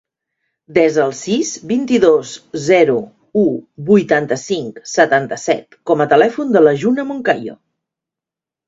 Desa el sis, vint-i-dos, zero, u, vuitanta-cinc, setanta-set com a telèfon de la Juna Moncayo.